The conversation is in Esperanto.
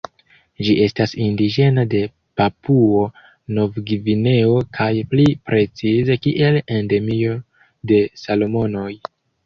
Ĝi estas indiĝena de Papuo-Novgvineo kaj pli precize kiel endemio de Salomonoj.